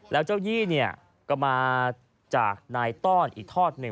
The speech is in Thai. แล้วเจ้ายี่เนี่ยก็มาจากนายต้อนอีกทอดหนึ่ง